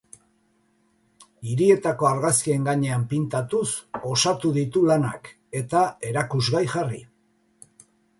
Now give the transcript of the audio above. Hirietako argazkien gainean pintatuz osatu ditu lanak eta erakusgai jarri.